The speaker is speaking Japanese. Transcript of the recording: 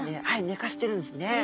はいねかせてるんですね。